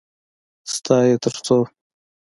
_ستا يې تر څو؟